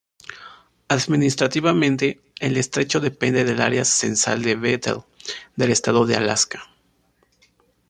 Administrativamente, el estrecho depende del Área censal de Bethel del estado de Alaska.